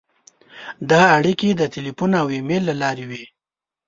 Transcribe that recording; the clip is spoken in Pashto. دا اړیکې د تیلفون او ایمېل له لارې وې.